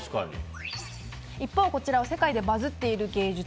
一方、こちらは世界でバズっている芸術。